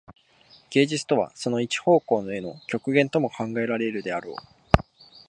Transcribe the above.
芸術とはその一方向への極限とも考えられるであろう。